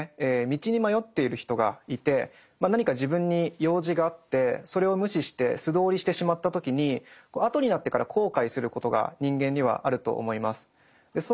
道に迷っている人がいて何か自分に用事があってそれを無視して素通りしてしまった時に後になってから後悔することが人間にはあると思います。